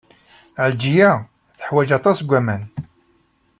Ɛelǧiya teḥwaj aṭas n waman.